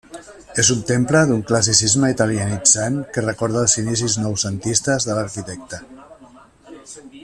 És un temple d'un classicisme italianitzant que recorda els inicis noucentistes de l'arquitecte.